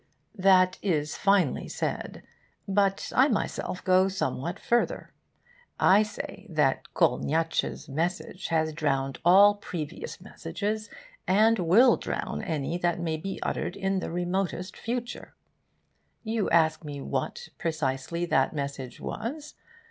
That is finely said. But I myself go somewhat further. I say that Kolniyatsch's message has drowned all previous messages and will drown any that may be uttered in the remotest future. You ask me what, precisely, that message was?